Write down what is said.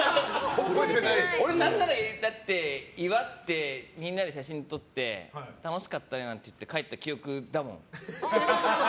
俺、何なら祝ってみんなで写真撮って楽しかったねって言って帰った記憶だもん。